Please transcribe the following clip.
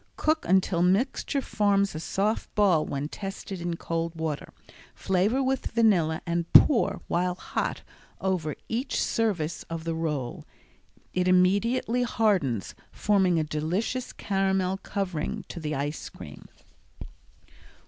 Cook until mixture forms a soft ball when tested in cold water. Flavor with vanilla and pour, while hot, over each service of the roll. It immediately hardens, forming a delicious caramel covering to the ice cream.